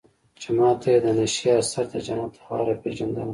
چې ما ته يې د نشې اثر د جنت هوا راپېژندله.